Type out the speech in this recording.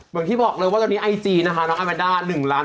เหมือนที่บอกเลยว่าตอนนี้ไอจีนะคะน้องอาแมนด้า๑ล้าน